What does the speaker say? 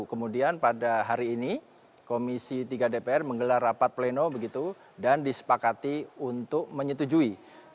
kemudian pada hari ini komisi tiga dpr menggelar rapat pleno begitu dan disepakati untuk menyetujui